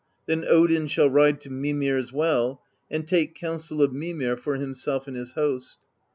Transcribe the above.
Then Odin shall ride to Mimir's Well and take counsel of Mimir for himself and his host.